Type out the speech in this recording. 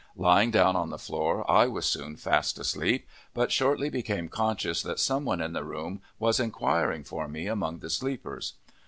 Lying down on the floor, I was soon fast asleep, but shortly became conscious that some one in the room was inquiring for me among the sleepers.